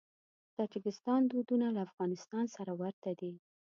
د تاجکستان دودونه له افغانستان سره ورته دي.